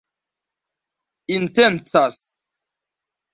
intencas